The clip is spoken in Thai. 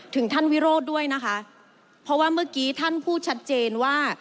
ถึงท่านวิโรธด้วยนะคะเพราะว่าเมื่อกี้ท่านพูดชัดเจนว่า